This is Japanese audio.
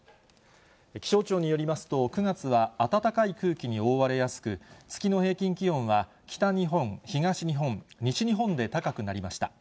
気象庁によりますと、９月は暖かい空気に覆われやすく、月の平均気温は、北日本、東日本、西日本で高くなりました。